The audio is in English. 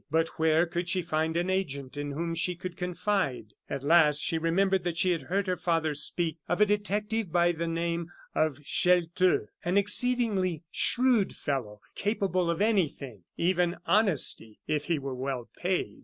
But where could she find an agent in whom she could confide? At last she remembered that she had heard her father speak of a detective by the name of Chelteux, an exceedingly shrewd fellow, capable of anything, even honesty if he were well paid.